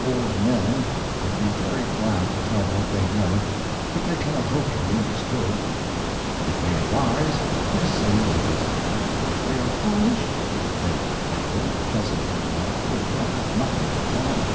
Old men would be very glad to INTRODUCTION. ix to tell what they know, but they cannot hope to be under stood. If they are wise, they say little ; if they are foolish, they babble pleasantly enough, but have nothing to tell.